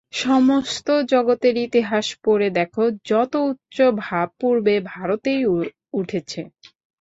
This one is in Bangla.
সমস্ত জগতের ইতিহাস পড়ে দেখ, যত উচ্চ ভাব পূর্বে ভারতেই উঠেছে।